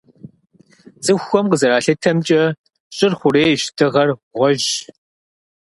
Цӏыхухэм къызэралъытэмкӏэ, Щӏыр - хъурейщ, Дыгъэр - гъуэжьщ.